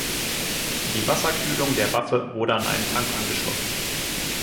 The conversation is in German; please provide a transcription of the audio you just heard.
Die Wasserkühlung der Waffe wurde an einen Tank angeschlossen.